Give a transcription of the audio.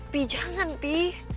pi jangan pi